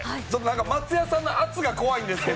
松也さん圧が怖いんですけど。